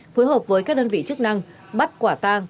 phối hợp với các đơn vị chức năng bắt quả tang